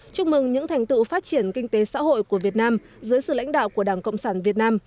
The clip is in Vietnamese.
chúc mừng những thành tựu phát triển kinh tế xã hội của việt nam dưới sự lãnh đạo của đảng cộng sản việt nam